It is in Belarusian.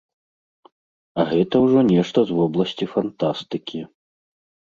А гэта ўжо нешта з вобласці фантастыкі.